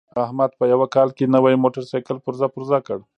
احمد په یوه کال کې نوی موټرسایکل پرزه پرزه کړ.